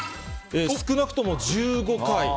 少なくとも１５回。